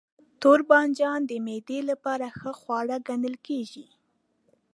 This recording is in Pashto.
توربانجان د معدې لپاره ښه خواړه ګڼل کېږي.